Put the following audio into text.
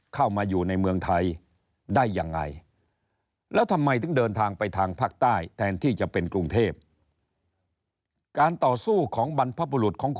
เข้ามาอยู่ในเมืองไทยได้ยังไงและทำไมทั้งเดินทางไปทางภาคใต้แทนที่จะเป็นกรุงเทพ